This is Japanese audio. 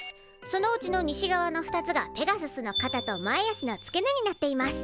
そのうちの西側の２つがペガススのかたと前足の付け根になっています。